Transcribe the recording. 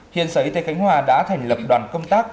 hiện sở y tế khánh hòa đã thành lập đoàn công tác